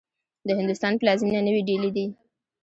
د هندوستان پلازمېنه نوې ډيلې دې.